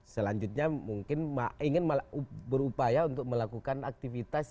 selanjutnya mungkin ingin berupaya untuk melakukan aktivitas